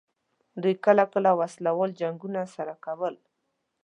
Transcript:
دوی کله کله وسله وال جنګونه سره کول.